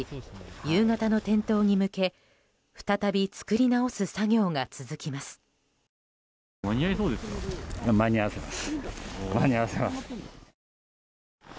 夕方の点灯に向け再び作り直す作業が続きます。